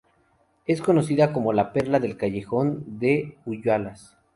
Es conocida como la "Perla del Callejón de Huaylas".